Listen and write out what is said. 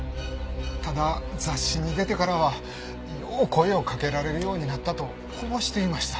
ただ雑誌に出てからはよう声をかけられるようになったとこぼしていました。